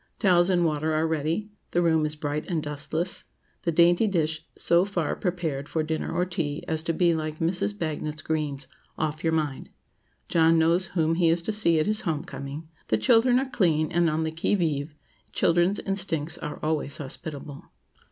Towels and water are ready; the room is bright and dustless; the dainty dish so far prepared for dinner or tea as to be like Mrs. Bagnet's greens, "off your mind;" John knows whom he is to see at his home coming; the children are clean, and on the qui vive—children's instincts are always hospitable.